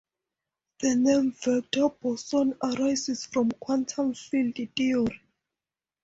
The name "vector boson" arises from quantum field theory.